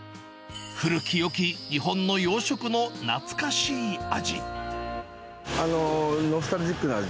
古きよき日本の洋食の懐かしい味。